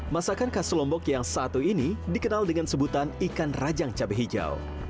masakan khas lombok yang satu ini dikenal dengan sebutan ikan rajang cabai hijau